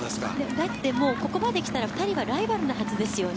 ここまで来たら２人がライバルなはずですよね。